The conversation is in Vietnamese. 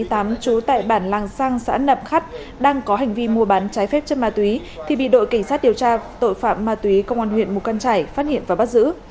trú tại bản làng sang xã nậm khắt đang có hành vi mua bán trái phép chất ma túy thì bị đội cảnh sát điều tra tội phạm ma túy công an huyện mù căng trải phát hiện và bắt giữ